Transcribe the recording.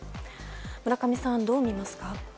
村上さん、どう見ますか？